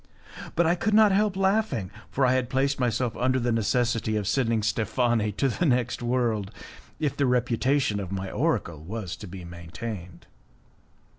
But I could not help laughing, for I had placed myself under the necessity of sending Steffani to the next world, if the reputation of my oracle was to be maintained.